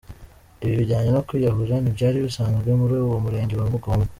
Ibi bijyanye no kwiyahura ntibyari bisanzwe muri uwo Murenge wa Mugombwa.